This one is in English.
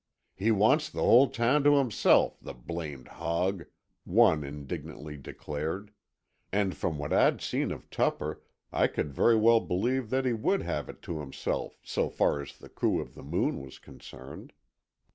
He wants the whole town t' himself, the blamed hog!" one indignantly declared; and from what I'd seen of Tupper I could very well believe that he would have it to himself so far as the crew of the Moon was concerned.